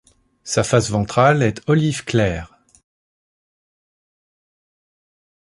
Sa face ventrale est olive clair.